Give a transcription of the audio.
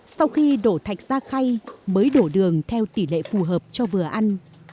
sau khi đổ thạch ra khay mới đổ đường theo tỷ lệ phù hợp cho vừa ăn